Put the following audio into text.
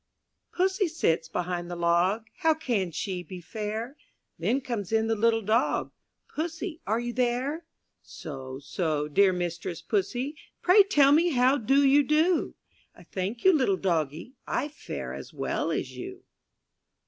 pUSST sits behind the log. •■■ How can she be fair? Then comes in the little dog, *Tussy, are you there? So, so, dear Mistress Pussy, Pray tell me how do you do? '*I thank you, little Doggie, I fare as well as you."